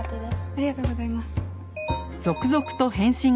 ありがとうございます。